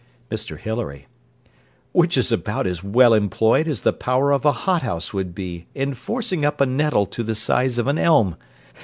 MR HILARY Which is about as well employed as the power of a hothouse would be in forcing up a nettle to the size of an elm.